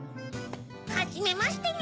はじめましてにゃ。